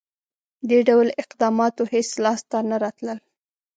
• دې ډول اقداماتو هېڅ لاسته نه راتلل.